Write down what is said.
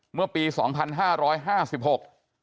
เมื่อปีสองพันห้าร้อยห้าสิบหก